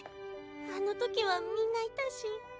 あの時はみんないたし。